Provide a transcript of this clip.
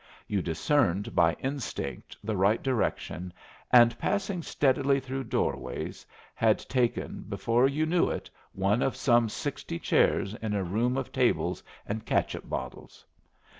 You discerned by instinct the right direction, and, passing steadily through doorways, had taken, before you knew it, one of some sixty chairs in a room of tables and catsup bottles.